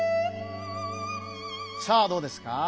さあどうですか？